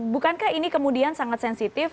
bukankah ini kemudian sangat sensitif